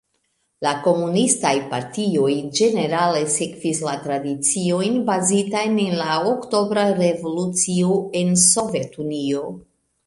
La komunistaj partioj ĝenerale sekvis la tradiciojn bazitajn en la Oktobra Revolucio en Sovetunio.